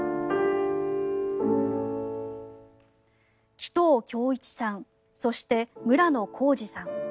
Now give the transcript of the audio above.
鬼頭恭一さんそして村野弘二さん